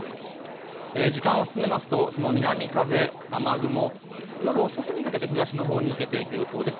時間を進めますと、その南風、雨雲、夜遅くにかけて東のほうに抜けていく予想です。